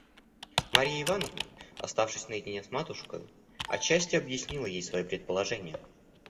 Марья Ивановна, оставшись наедине с матушкою, отчасти объяснила ей свои предположения.